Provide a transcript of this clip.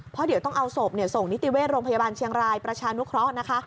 เพราะเดี๋ยวต้องเอาศพส่งนิติเวชโรงพยาบาลเชียงรายประชานุเคราะห์นะคะ